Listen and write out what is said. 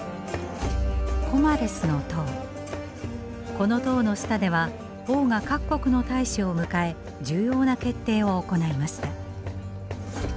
この塔の下では王が各国の大使を迎え重要な決定を行いました。